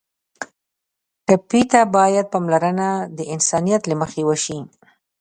ټپي ته باید پاملرنه د انسانیت له مخې وشي.